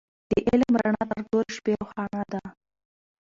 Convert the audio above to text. د علم رڼا تر تورې شپې روښانه ده.